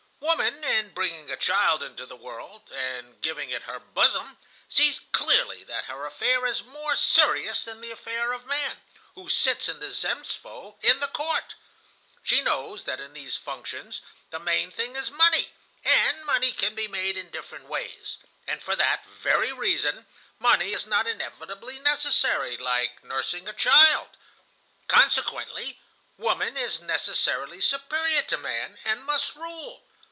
"Woman, in bringing a child into the world, and giving it her bosom, sees clearly that her affair is more serious than the affair of man, who sits in the Zemstvo, in the court. She knows that in these functions the main thing is money, and money can be made in different ways, and for that very reason money is not inevitably necessary, like nursing a child. Consequently woman is necessarily superior to man, and must rule.